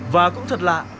và cũng thật lạ